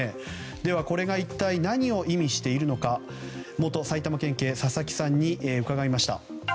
ではこれが一体何を意味しているか元埼玉県警佐々木さんに伺いました。